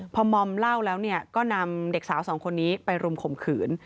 พอมอมเหล้าแล้วก็นำเด็กสาวสองคนนี้ไปรุมข่มขืน